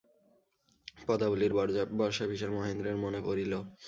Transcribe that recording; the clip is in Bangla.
পদাবলীর বর্ষাভিসার মহেন্দ্রের মনে পড়িল।